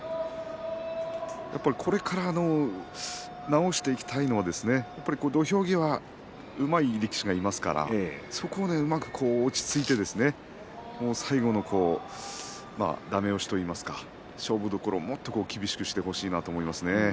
これから直していきたいのは土俵際うまい力士がいますからそこで、うまく落ち着いて最後のだめ押しといいますか勝負どころをもっと厳しくしてほしいなと思いますね。